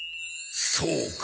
そうか。